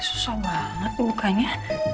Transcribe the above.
susah banget bukanya